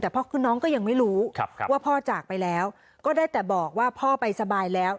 แต่พ่อคือน้องก็ยังไม่รู้ว่าพ่อจากไปแล้วก็ได้แต่บอกว่าพ่อไปสบายแล้ว